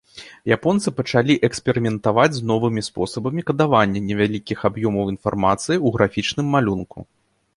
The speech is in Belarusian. Японцы пачалі эксперыментаваць з новымі спосабамі кадавання невялікіх аб'ёмаў інфармацыі ў графічным малюнку.